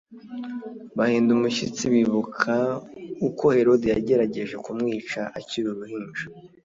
Bahinda umushyitsi bibuka uko Herode yagerageje kumwica akiri uruhinja